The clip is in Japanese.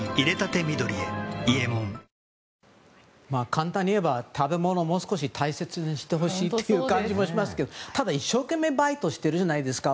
簡単に言えば食べ物をもう少し大切にしてほしい感じがしますけどただ、一生懸命バイトしているじゃないですか